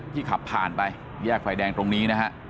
ขับผ่านไปแยกไฟแดงตรงนี้นะฮะ